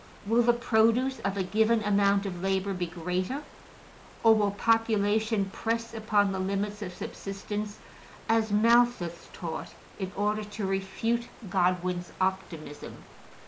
Will the produce of a given amount of labor be greater? Or will population press upon the limits of subsistence, as Malthus taught in order to refute Godwin's optimism?